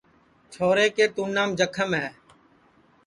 چھورے کُے تُونام جکھم ہے